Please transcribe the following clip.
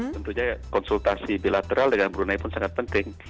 tentu saja konsultasi bilateral dengan brunei pun sangat penting